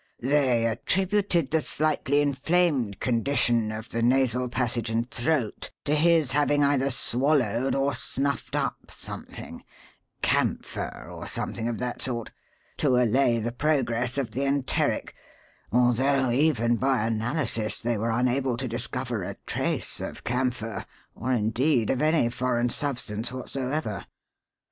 They attributed the slightly inflamed condition of the nasal passage and throat to his having either swallowed or snuffed up something camphor or something of that sort to allay the progress of the enteric, although even by analysis they were unable to discover a trace of camphor or indeed of any foreign substance whatsoever.